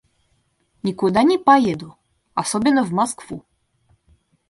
Никуда не поеду, особенно в Москву.